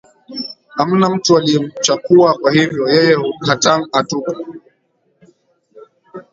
hamna mtu aliyemchakua kwa hivyo yeye hatang atuka